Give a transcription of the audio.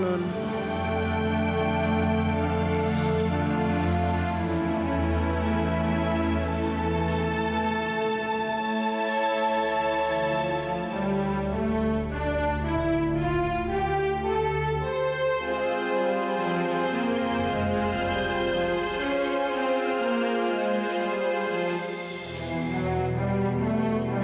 ikut kak harimlogo